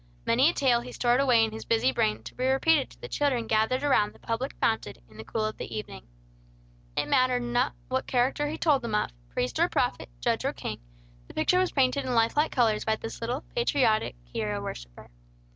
Many a tale he stored away in his busy brain to be repeated to the children gathered around the public fountain in the cool of the evening. It mattered not what character he told them of, priest or prophet, judge or king, the picture was painted in life like colors by this patriotic little hero worshipper.